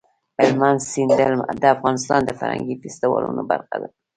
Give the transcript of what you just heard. هلمند سیند د افغانستان د فرهنګي فستیوالونو برخه ده.